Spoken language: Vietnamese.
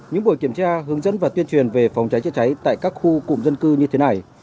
những buổi kiểm tra hướng dẫn và tuyên truyền về phòng cháy chữa cháy tại các khu cụm dân cư như thế này